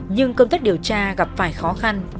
nhưng công tác điều tra gặp phải khó khăn